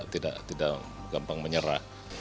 tidak gampang menyerah